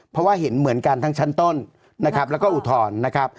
เพราะว่าเห็นเหมือนกันทั้งชั้นต้นและอุถอนนะครับ